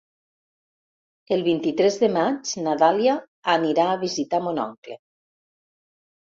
El vint-i-tres de maig na Dàlia anirà a visitar mon oncle.